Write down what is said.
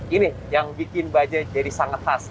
ini yang bikin bajaj jadi sangat terasa